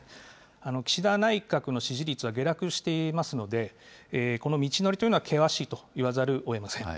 岸田内閣の支持率は下落していますので、この道のりというのは険しいと言わざるをえません。